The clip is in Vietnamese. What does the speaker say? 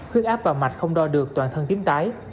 huyết áp vào mạch không đo được toàn thân tiếm tái